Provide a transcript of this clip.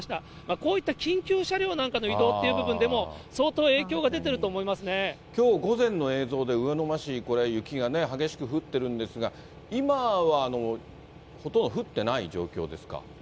こういった緊急車両なんかの移動っていう部分でも、相当影響が出きょう午前の映像で、魚沼市、これ、雪がね、激しく降ってるんですが、今はほとんど降ってない状況ですか。